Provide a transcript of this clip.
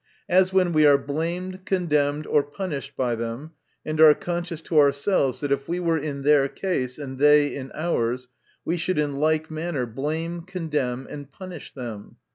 As when we are blamed, condemned, or punished by them, and are conscious to ourselves that if we were in their case, and they in ours, we should in like manner blame, condemn, and punish them.